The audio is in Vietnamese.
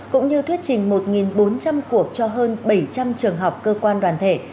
cũng như thuyết trình một bốn trăm linh cuộc cho hơn bảy trăm linh trường học cơ quan đoàn thể